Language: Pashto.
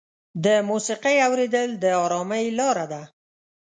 د موسیقۍ اورېدل د ارامۍ لاره ده.